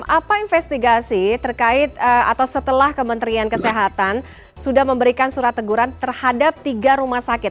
apa investigasi terkait atau setelah kementerian kesehatan sudah memberikan surat teguran terhadap tiga rumah sakit